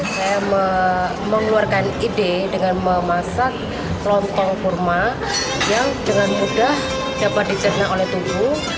saya mengeluarkan ide dengan memasak lontong kurma yang dengan mudah dapat dicerna oleh tubuh